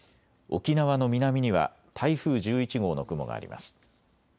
沖縄の南には台風１１号の雲があります。